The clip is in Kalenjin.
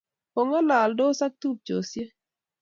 King'alandosi ak tupcheshek